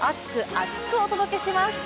厚く！お届け！します。